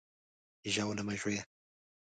ژاوله مه ژویه!